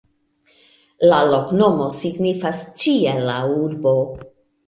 La loknomo signifas: "ĉiela urbo".